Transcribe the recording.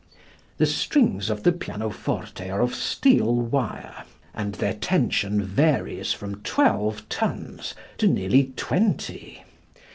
The strings of the pianoforte are of steel wire, and their tension varies from twelve tons to nearly twenty.